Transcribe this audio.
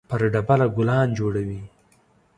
پر ډبره ګلان جوړوي